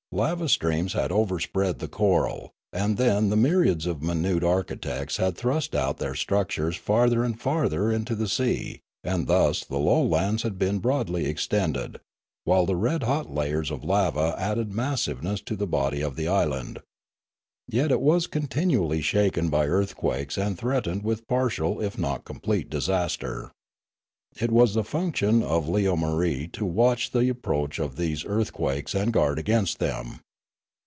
Lava streams had overspread the coral, and then the myriads of minute architects had thrust out their structures farther and farther into the sea and thus the lowlands had been broadly extended, while the red hot layers of lava added massiveness to the body of the island. Yet it was continually shaken by earthquakes and threatened with partial if not complete disaster. It was the func tion of Iyeomarie to watch the approach of these earth quakes and guard against them.